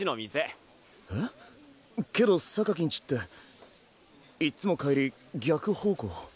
けどん家っていっつも帰り逆方向。